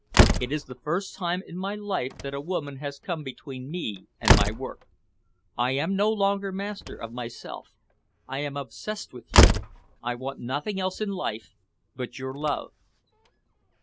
It is the first time in my life that a woman has come between me and my work. I am no longer master of myself. I am obsessed with you. I want nothing else in life but your love."